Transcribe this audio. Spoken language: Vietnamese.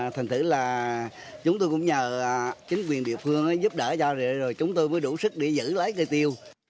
thành thử là chúng tôi cũng nhờ chính quyền địa phương giúp đỡ cho rồi chúng tôi mới đủ sức để giữ lấy cây tiêu